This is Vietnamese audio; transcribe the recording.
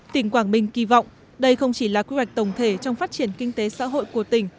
tỉnh quảng bình kỳ vọng đây không chỉ là quy hoạch tổng thể trong phát triển kinh tế xã hội của tỉnh